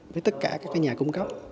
với tất cả các nhà cung cấp